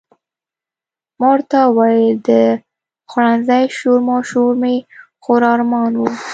ما ورته وویل د خوړنځای شورماشور مې خورا ارمان و.